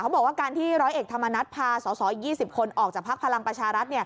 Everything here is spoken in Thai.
บอกว่าการที่ร้อยเอกธรรมนัฐพาสอสอ๒๐คนออกจากพักพลังประชารัฐ